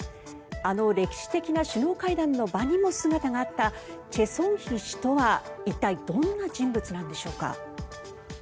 あの歴史的な首脳会談の場にもあったチェ・ソンヒ氏とは一体どんな人物なのでしょうか。